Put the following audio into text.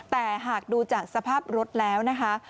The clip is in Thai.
แต่หากดูจากสภาพรถแล้วนะคะ